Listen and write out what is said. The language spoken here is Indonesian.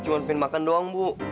cuma pengen makan doang bu